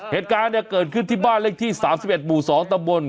เหตุการณ์เกิดขึ้นที่บ้านเลขที่๓๑หมู่๒ตำบล